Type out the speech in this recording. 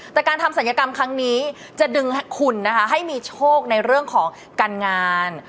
แต่การทำศัลยกรรมครั้งนี้จะดึงคุณนะคะให้มีโชคในเรื่องของการงาน